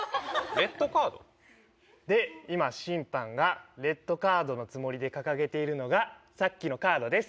レッドカード？で、今、審判がレッドカードのつもりで掲げているのが、さっきのカードです。